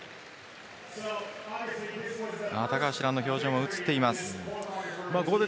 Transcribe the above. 高橋藍の表情も映っています。